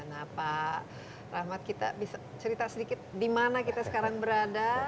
nah pak rahmat kita bisa cerita sedikit di mana kita sekarang berada